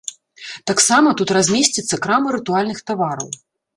Таксама тут размесціцца крама рытуальных тавараў.